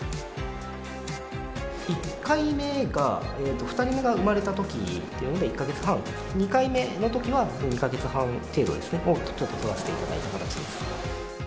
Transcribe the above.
１回目が２人目が産まれたときで、１か月半、２回目のときは２か月半程度ですね、取らせていただいた形です。